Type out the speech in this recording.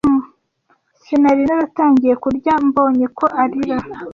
Sinari naratangiye kurya, mbonye ko arira.